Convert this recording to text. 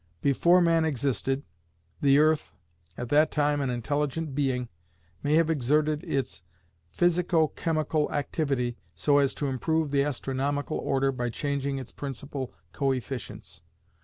Before man existed, the earth, at that time an intelligent being, may have exerted "its physico chemical activity so as to improve the astronomical order by changing its principal coefficients.